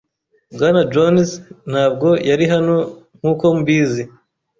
Bwana Jones ntabwo yari hano nkuko mbizi.